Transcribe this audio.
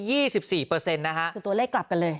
คือตัวเลขกลับกันเลย